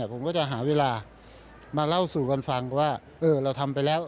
ผมก็จะหาเวลามาเล่าสู่กันฟังว่าเราทำไปแล้ว